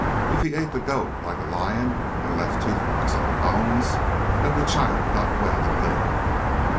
If he ate the goat like a lion and left tooth marks on the bones then the child got well and lived.